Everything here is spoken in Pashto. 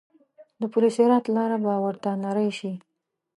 د پل صراط لاره به ورته نرۍ شي.